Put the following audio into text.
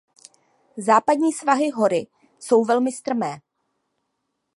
Západní svahy hory jsou velmi strmé.